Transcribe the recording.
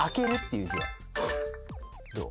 どう？